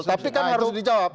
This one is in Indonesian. tapi kan harus dijawab